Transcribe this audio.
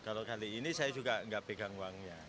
kalau kali ini saya juga nggak pegang uangnya